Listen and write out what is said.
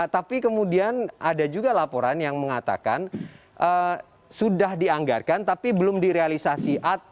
tapi kemudian ada juga laporan yang mengatakan sudah dianggarkan tapi belum direalisasi